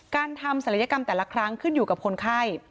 การทำศัลยกรรมแต่ละครั้งขึ้นอยู่กับคนไข้